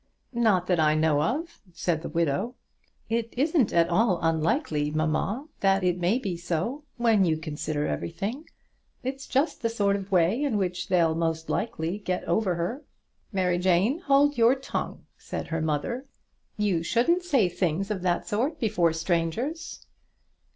"Not that I know of," said the widow. "It isn't at all unlikely, mamma, that it may be so, when you consider everything. It's just the sort of way in which they'll most likely get over her." "Mary Jane, hold your tongue," said her mother; "you shouldn't say things of that sort before strangers."